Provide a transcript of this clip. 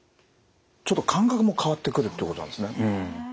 ちょっと感覚も変わってくるってことなんですね。